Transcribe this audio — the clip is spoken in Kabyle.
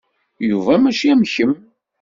Yuba mačči am kemm.